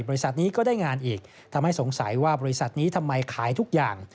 บริษัทนี้ก็ได้งานอีกทำให้สงสัยว่าบริษัทนี้ทำไมขายทุกอย่าง